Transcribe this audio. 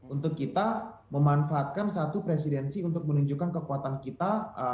untuk kita memanfaatkan satu presidensi untuk menunjukkan kekuatan kita